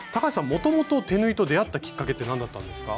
もともと手縫いと出会ったきっかけって何だったんですか？